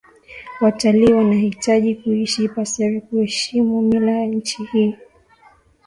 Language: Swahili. watalii wanahitaji kuishi ipasavyo kuheshimu mila ya nchi hii